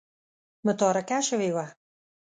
متارکه شوې وه.